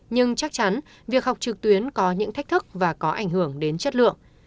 nhưng chắc chắn việc học trực tuyến có những thách thức và có ảnh hưởng đến chất lượng